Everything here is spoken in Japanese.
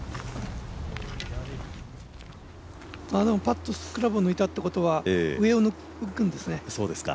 でも、クラブを抜いたってことは上を抜くんですね。